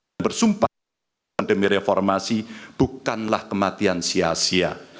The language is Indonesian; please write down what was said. yang bersumpah pandemi reformasi bukanlah kematian sia sia